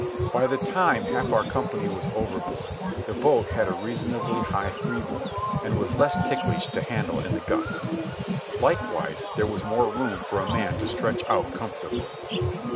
By the time half our company was overboard, the boat had a reasonably high freeboard and was less ticklish to handle in the gusts. Likewise there was more room for a man to stretch out comfortably.